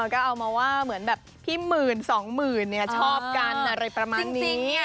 ก็เอามาว่าเหมือนแบบพี่หมื่นสองหมื่นชอบกันอะไรประมาณนี้